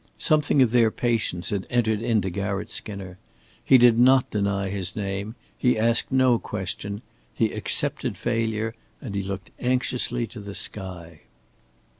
Something of their patience had entered into Garratt Skinner. He did not deny his name, he asked no question, he accepted failure and he looked anxiously to the sky.